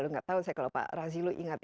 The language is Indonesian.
nggak tahu saya kalau pak razilo ingat